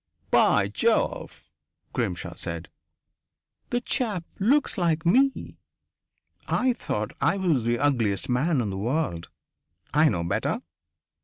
"By Jove!" Grimshaw said. "The chap looks like me! I thought I was the ugliest man in the world. I know better...